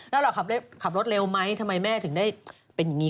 แล้วเราขับรถเร็วไหมทำไมแม่ถึงได้เป็นอย่างนี้